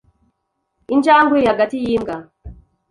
Injangwe iri hagati yimbwa.